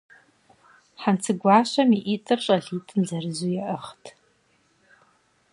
Хьэнцэгуащэм и «ӏитӏыр» щӏалитӏым зырызу яӏыгът.